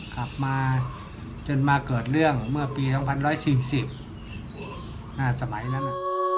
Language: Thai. ขับมาจนมาเกิดเรื่องเมื่อปีทั้งพันร้อยสี่สิบหน้าสมัยนั้นอ่ะ